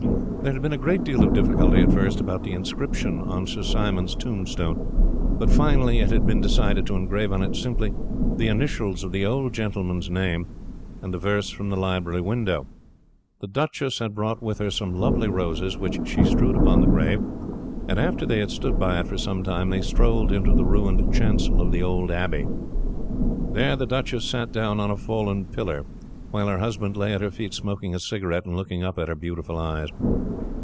There had been a great deal of difficulty at first about the inscription on Sir Simon's tombstone, but finally it had been decided to engrave on it simply the initials of the old gentleman's name, and the verse from the library window. The Duchess had brought with her some lovely roses, which she strewed upon the grave, and after they had stood by it for some time they strolled into the ruined chancel of the old abbey. There the Duchess sat down on a fallen pillar, while her husband lay at her feet smoking a cigarette and looking up at her beautiful eyes.